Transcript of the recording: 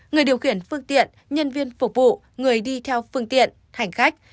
người điều khiển phương tiện nhân viên phục vụ người đi theo phương tiện hành khách